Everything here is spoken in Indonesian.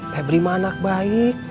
pebri mah anak baik